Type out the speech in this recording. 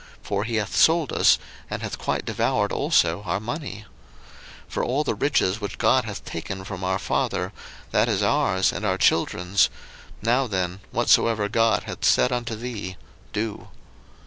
for he hath sold us, and hath quite devoured also our money. 01:031:016 For all the riches which God hath taken from our father, that is ours, and our children's: now then, whatsoever God hath said unto thee, do.